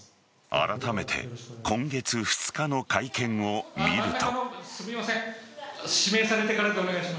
あらためて今月２日の会見を見ると。